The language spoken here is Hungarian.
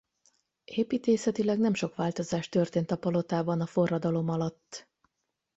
Építészetileg nem sok változás történt a palotában a forradalom alatt.